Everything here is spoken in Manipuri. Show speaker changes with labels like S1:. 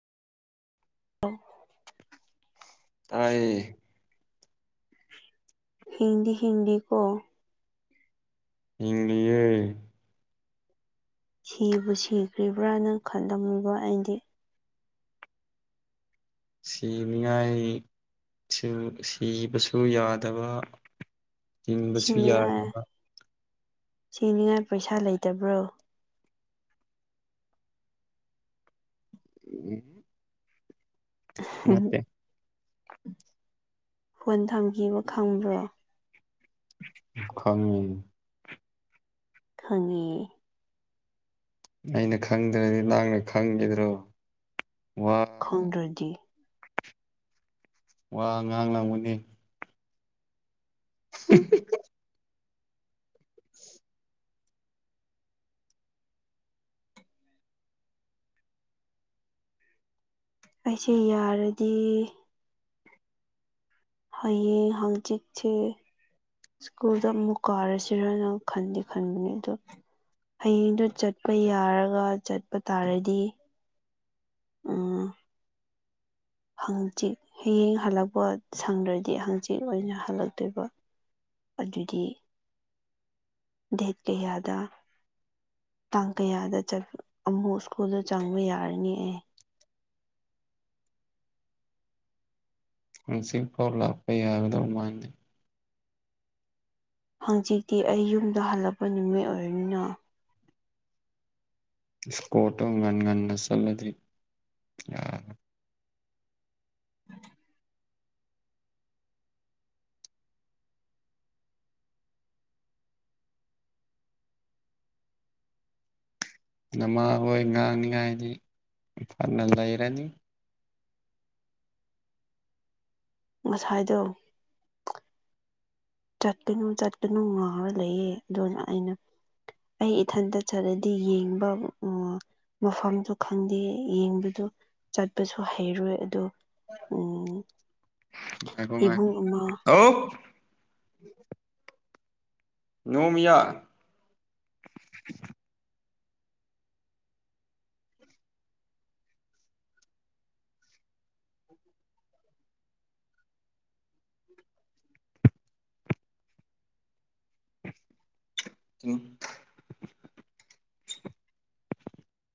S1: [unintelligible]
S2: ꯇꯥꯏꯌꯦ
S1: ꯍꯤꯡꯗꯤ ꯍꯤꯡꯂꯤꯀꯣ
S2: [unintelligible]
S1: ꯁꯤꯕꯨ ꯁꯤꯈ꯭ꯔꯤꯕ꯭ꯔꯥꯅ ꯈꯜꯂꯝꯃꯤꯕ ꯑꯩꯗꯤ
S2: ꯁꯤꯅꯤꯡꯉꯥꯏꯁꯨ ꯁꯤꯕꯁꯨ ꯌꯥꯗꯕ ꯍꯤꯡꯕꯁꯨ ꯌꯥꯗꯕ
S1: ꯁꯤꯅꯤꯉꯥꯏ ꯁꯤꯅꯤꯉꯥꯏ ꯄꯩꯁꯥ ꯂꯩꯇꯕ꯭ꯔꯣ
S2: ꯎꯝ [unintelligible] ꯃꯦ [unintelligible] [inaudible]
S1: ꯐꯣꯟ ꯊꯝꯈꯤꯕ ꯈꯪꯕ꯭ꯔꯣ
S2: ꯈꯪꯉ [inaudible] [unintelligible]
S1: ꯈꯪꯉꯦ
S2: ꯑꯩꯅ ꯈꯪꯗ꯭ꯔꯗꯤ ꯅꯪꯅ ꯈꯪꯈꯤꯗ꯭ꯔꯣ ꯋꯥ
S1: ꯈꯣꯡꯔꯣꯖꯤ
S2: ꯋꯥ ꯉꯥꯡ ꯅꯥꯡꯒꯅꯤ
S1: ꯎꯝ
S2: [unintelligible] [inaudible]
S1: ꯑꯩꯁꯦ ꯌꯥꯔꯗꯤ ꯍꯣꯏꯌꯦ ꯍꯪꯆꯤꯠꯁꯦ ꯁ꯭ꯀꯨꯜꯗ ꯑꯃꯨꯛ ꯀꯥꯔꯁꯤꯔꯅ ꯈꯟꯗꯦ ꯈꯟꯕꯅꯦ ꯑꯗꯣ ꯍꯌꯦꯡꯗꯨꯣ ꯆꯠꯄ ꯌꯥꯔꯒ ꯆꯠꯄ ꯇꯥꯔꯗꯤ ꯑꯥ [unintelligible] [inaudible] ꯍꯪꯆꯤꯠ ꯍꯌꯦꯡ ꯍꯜꯂꯛꯄ ꯁꯪꯗ꯭ꯔꯗꯤ ꯍꯪꯆꯤꯠ ꯑꯣꯏꯅ ꯍꯜꯂꯛꯇꯣꯏꯕ ꯑꯗꯨꯗꯤ ꯗꯦꯠ ꯀꯌꯥꯗ ꯇꯥꯡ ꯀꯌꯥꯗ ꯆꯠ ꯑꯃꯨꯛ ꯁ꯭ꯀꯨꯜꯗ ꯆꯪꯕ ꯌꯥꯔꯅꯤ ꯑꯦ
S2: ꯉꯁꯤ ꯐꯥꯎ ꯂꯥꯛꯄ ꯌꯥꯒꯗꯧ ꯃꯥꯟꯗꯦ
S1: ꯍꯪꯆꯤꯠꯇꯤ ꯑꯩ ꯌꯨꯝꯗ ꯍꯜꯂꯛꯄ ꯅꯨꯃꯤꯠ ꯑꯣꯏꯔꯅꯤꯅ
S2: ꯏꯁꯀꯣꯔꯇꯣ ꯉꯟꯉꯟꯅ ꯆꯠꯂꯗꯤ [unintelligible] ꯅꯃꯥ ꯍꯣꯏ ꯉꯥꯡꯅꯤꯉꯥꯏꯗꯤ ꯐꯅ ꯂꯩꯔꯅꯤ
S1: ꯉꯁꯥꯏꯗꯣ ꯆꯠꯀꯅꯨ ꯆꯠꯀꯅꯨ ꯉꯥꯡꯔ ꯂꯩꯌꯦ ꯑꯗꯨꯅ ꯑꯩꯅ ꯑꯩ ꯏꯊꯟꯇ ꯆꯠꯂꯗꯤ ꯌꯦꯡꯕ ꯎ ꯃꯐꯝꯗꯨ ꯈꯪꯗꯦ ꯌꯦꯡꯕꯗꯨ ꯆꯠꯄꯁꯨ ꯍꯩꯔꯣꯏ ꯑꯗꯣ ꯎꯝ
S2: ꯉꯥꯏꯈꯣ ꯉꯥꯏꯈꯣ
S1: ꯏꯕꯨꯡ ꯑꯃ
S2: ꯑꯧ ꯅꯣꯡꯃꯌꯥ [inaudible] [unintelligible]